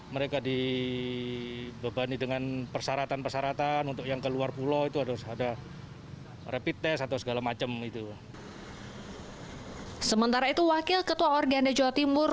mereka di bebani dengan persyaratan persyaratan untuk yang ke luar pulau itu ada rapid test atau